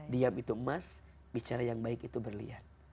diam itu emas bicara yang baik itu berlian